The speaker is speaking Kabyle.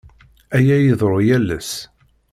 Aya iḍerru yal ass.